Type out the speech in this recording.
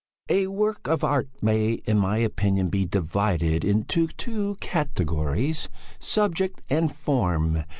"A work of art may, in my opinion, be divided into two categories: subject and form.